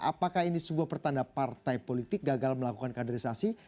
apakah ini sebuah pertanda partai politik gagal melakukan kaderisasi